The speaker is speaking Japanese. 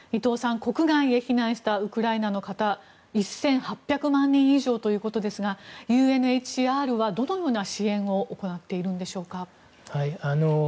国外へ避難したウクライナの方１８００万人以上ということですがＵＮＨＣＲはどのような支援を行っているのでしょうか。